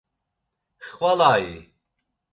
Xvala-i?